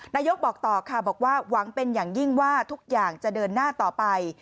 นายกบอกต่อค่ะบอกว่าหวังเป็นอย่างยิ่งว่าทุกอย่างจะเดินหน้าต่อไป